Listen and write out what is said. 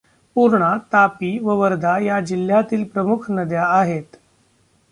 पूर्णा, तापी व वर्धा या जिल्ह्यातील प्रमुख नद्या आहेत.